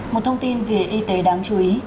một thông tin về y tế đáng chú ý